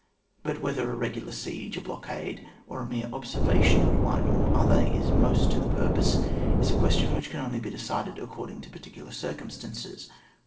But whether a regular siege, a blockade, or a mere observation of one or other is most to the purpose, is a ques tion which can only be decided according to particular circumstances.